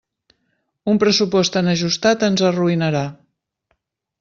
Un pressupost tan ajustat ens arruïnarà.